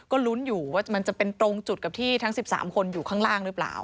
ก็ลุ้นอยู่ว่ามันจะเป็นตรงจุดกับที่ทั้ง๑๓คนอยู่ข้างล่างหรือเปล่า